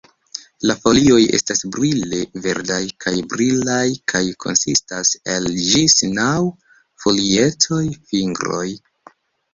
La folioj estas brile verdaj kaj brilaj kaj konsistas el ĝis naŭ folietoj (fingroj).